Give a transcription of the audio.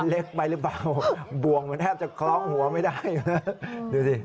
เล็กไปหรือเปล่าบ่วงเหมือนแทบจะคล้องหัวไม่ได้นะดูสิ